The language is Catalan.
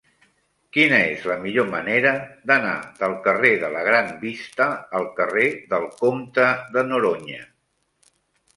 Quina és la millor manera d'anar del carrer de la Gran Vista al carrer del Comte de Noroña?